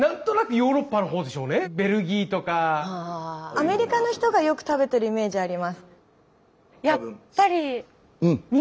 アメリカの人がよく食べてるイメージあります。